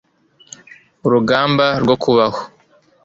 urugamba rwo kubaho